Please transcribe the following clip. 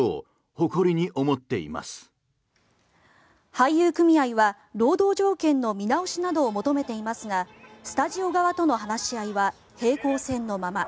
俳優組合は労働条件の見直しなどを求めていますがスタジオ側との話し合いは平行線のまま。